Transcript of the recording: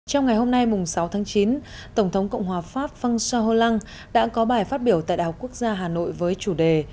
trong ngày hôm nay sáu tháng chín tổng thống cộng hòa pháp fang sa hu lăng đã có bài phát biểu tại đại học quốc gia hà nội với chủ đề